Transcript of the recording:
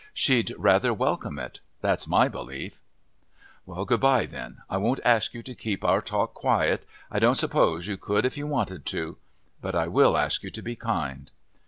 She'd rather welcome it. That's my belief." "Good bye then. I won't ask you to keep our talk quiet. I don't suppose you could if you wanted to. But I will ask you to be kind."